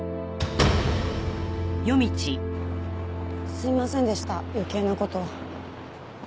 すいませんでした余計な事を。